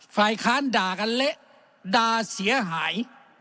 ฝ่ายค้านด่ากันเละด่าเสียหาย